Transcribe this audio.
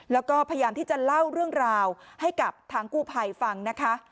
แล้วก็พยายามที่จะเล่าเรื่องราวให้กับทางกู้ภัยฟังนะคะ